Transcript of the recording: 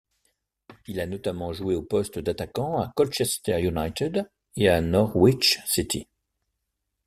Il a notamment joué au poste d'attaquant à Colchester United et à Norwich City.